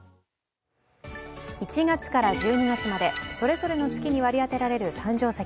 １月から１２月まで、それぞれの月に割り当てられる誕生石。